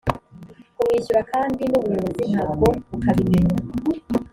kumwishyura kandi n ubuyobozi ntabwo bukabimenya